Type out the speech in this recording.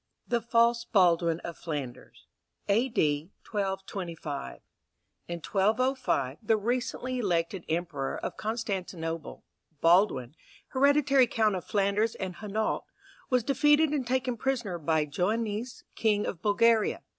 THE FALSE BALDWIN OF FLANDERS. A.D. 1225. In 1205 the recently elected Emperor of Constantinople, Baldwin, Hereditary Count of Flanders and Hainault, was defeated and taken prisoner by Joannice, King of Bulgaria.